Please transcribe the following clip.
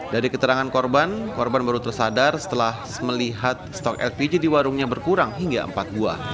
dari keterangan korban korban baru tersadar setelah melihat stok lpg di warungnya berkurang hingga empat buah